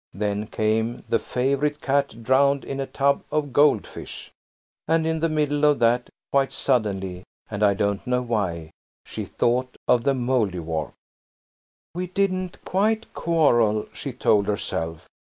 Then came the Favourite Cat drowned in a tub of Gold fish–and in the middle of that, quite suddenly, and I don't know why, she thought of the Mouldiwarp. "We didn't quite quarrel," she told herself.